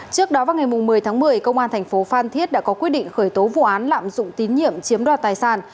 trước đó vào ngày một mươi tháng một mươi công an thành phố phan thiết đã có quyết định khởi tố vụ án lạm dụng tín nhiệm chiếm đoạt tài sản